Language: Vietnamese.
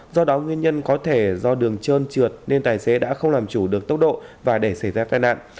do đó nguyên nhân có thể do đường trơn trượt nên tài xế đã không làm chủ được tốc độ và để xảy ra tai nạn